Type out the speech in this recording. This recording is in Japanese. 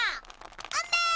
あめ！